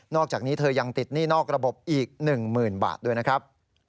อกจากนี้เธอยังติดหนี้นอกระบบอีก๑๐๐๐บาทด้วยนะครับ